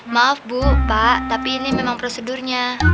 maaf bu pak tapi ini memang prosedurnya